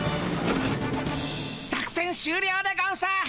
作戦終りょうでゴンス。